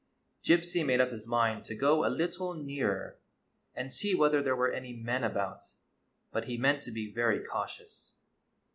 Gypsy made up his mind to go a little nearer and see whether there were any men about ; but he meant to be very cautious.